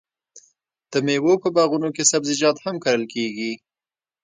د میوو په باغونو کې سبزیجات هم کرل کیږي.